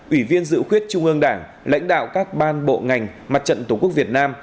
ủy viên dự khuyết trung ương đảng lãnh đạo các ban bộ ngành mặt trận tổ quốc việt nam